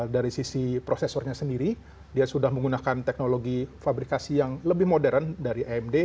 dari sisi prosesornya sendiri dia sudah menggunakan teknologi fabrikasi yang lebih modern dari amd